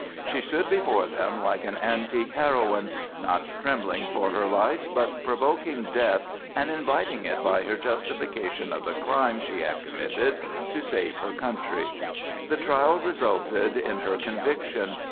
She stood before them like an antique heroine, not trembling for her life, but provoking death and inviting it by her justification of the crime she had committed to save her country. The trial resulted in her conviction.